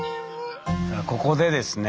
ここでですね